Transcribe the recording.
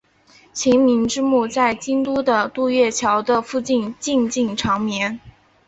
晴明之墓在京都的渡月桥的附近静静长眠。